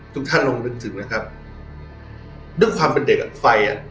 ทุกท่านลองนึกถึงนะครับด้วยความเป็นเด็กอ่ะไฟอ่ะ